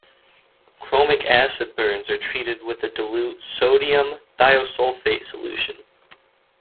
Chromic acid burns are treated with a dilute Sodium thiosulfate solution.